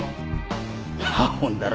あほんだら。